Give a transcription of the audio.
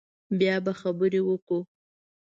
بیا به خبرې وکړو